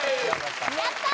やったー！